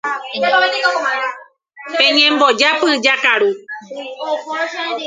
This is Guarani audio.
Peñembojápy jakaru.